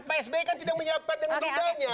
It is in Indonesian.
pak sby kan tidak menyiapkan dengan duganya